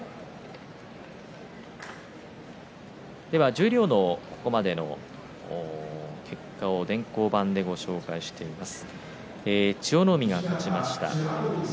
十両のここまでの結果を電光板でご紹介します。